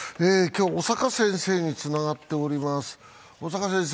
小坂先生につながっております。